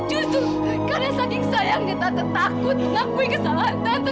justru karena saking sayangnya tante takut ngakui kesalahan tante